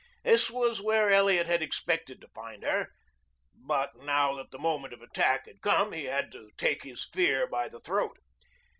This was where Elliot had expected to find her, but now that the moment of attack had come he had to take his fear by the throat.